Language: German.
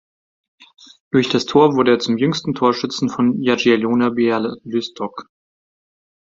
Durch das Tor wurde er zum jüngsten Torschützen von Jagiellonia Bialystok.